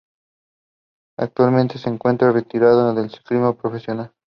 Actualmente se encuentra retirado del ciclismo profesional.